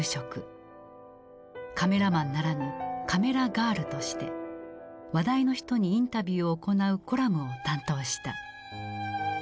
カメラマンならぬカメラガールとして話題の人にインタビューを行うコラムを担当した。